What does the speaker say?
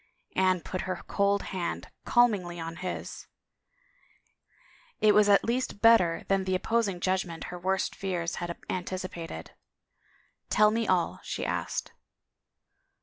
Anne put her cold hand calmingly in his ; it was at least better 193 THE FAVOR OF KINGS than the opposing judgment her worst fears had antici pated. " Tell me all," she asked.